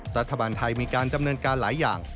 รัฐบาลไทยมีการดำเนินการหลายอย่าง